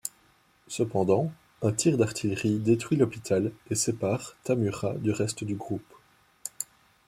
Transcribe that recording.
Cependant, un tir d'artillerie détruit l'hôpital et sépare Tamura du reste du groupe.